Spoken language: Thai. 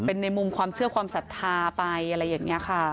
เป็นในมุมความเชื่อความศรัทธาไปอะไรอย่างนี้ค่ะ